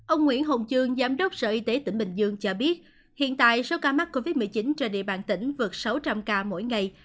ông nguyễn hồng trương giám đốc sở y tế tỉnh bình dương cho biết hiện tại số ca mắc covid một mươi chín trên địa bàn tỉnh vượt sáu trăm linh ca mỗi ngày